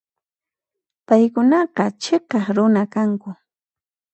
Paykunaqa chhiqaq runa kanku.